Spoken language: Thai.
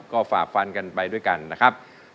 ก็ฝ่าฟันกันไปด้วยกันนะครับ